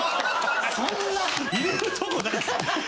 ・そんな・入れるとこないんです。